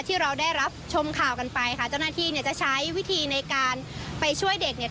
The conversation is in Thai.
ที่เราได้รับชมข่าวกันไปค่ะเจ้าหน้าที่เนี่ยจะใช้วิธีในการไปช่วยเด็กเนี่ย